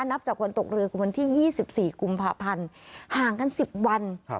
นับจากวันตกเรือคือวันที่๒๔กุมภาพันธ์ห่างกัน๑๐วัน